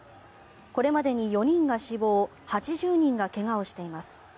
これまでに４人が死亡８０人が怪我をしています。